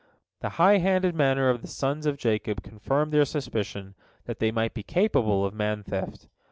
The high handed manner of the sons of Jacob confirmed their suspicion, that they might be capable of man theft.